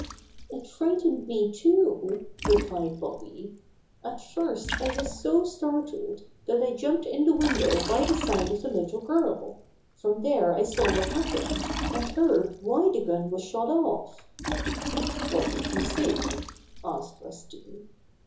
"It frightened me, too," replied Bobby. "At first I was so startled that I jumped in the window by the side of the little girl. From there I saw what happened, and heard why the gun was shot off." "What did you see?" asked Rusty.